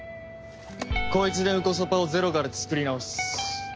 こいつでンコソパを０からつくり直す。